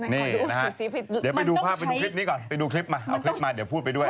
เดี๋ยวไปดูคลิปนี้ก่อนเอาคลิปมาเดี๋ยวพูดไปด้วย